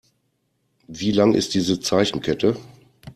Wie lang ist diese Zeichenkette?